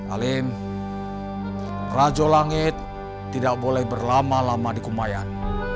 alim rajo langit tidak boleh berlama lama di kumayan